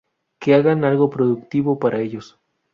Que hagan algo productivo para ellos.